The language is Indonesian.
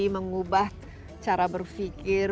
mengubah cara berfikir